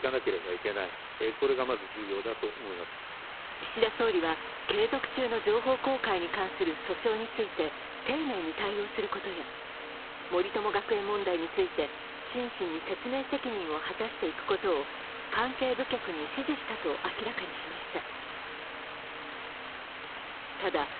岸田総理は、継続中の情報公開に関する訴訟について丁寧に対応することや森友学園問題についてしんしに説明責任を果たしていくことを関係部局に指示したと明らかにしました。